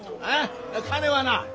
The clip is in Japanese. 金はな